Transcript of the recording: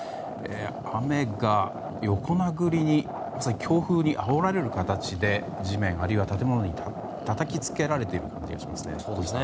雨が横殴りに強風にあおられる形で地面、あるいは建物にたたきつけられていますね。